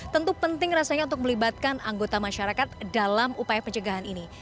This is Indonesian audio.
tentu penting rasanya untuk melibatkan anggota masyarakat dalam upaya pencegahan ini